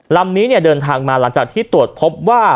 ลำนี้เนี่ยเดินทางมาหลังจากที่ตรวจพบว่า